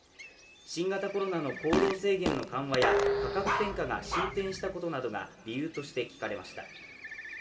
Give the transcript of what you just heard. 新型コロナの行動制限の緩和や価格転嫁が進展したことなどが理由として聞かれました。